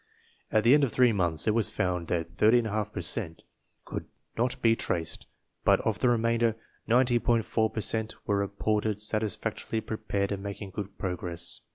At the end of three months it was found that 30}^ per cent could not be traced, but of the remainder, 90.4 per cent were reported satisfac torily prepared and making good progress.